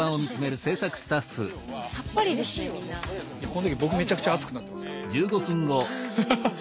この時僕めちゃくちゃ熱くなってますからねハハハ。